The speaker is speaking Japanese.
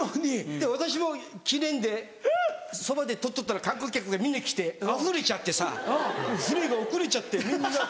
で私も記念でそばで撮っとったら観光客がみんな来てあふれちゃってさ船が遅れちゃってみんな。